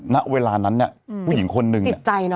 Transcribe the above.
ณเวลานั้นเนี้ยอืมผู้หญิงคนหนึ่งเนี้ยจิตใจเนอะ